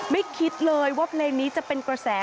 คิดเลยว่าเพลงนี้จะเป็นกระแส